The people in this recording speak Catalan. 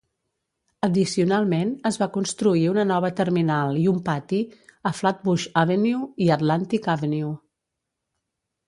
Addicionalment es va construir una nova terminal i un pati a Flatbush Avenue i Altantic Avenue.